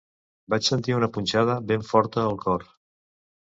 Vaig sentir una punxada ben forta al cor.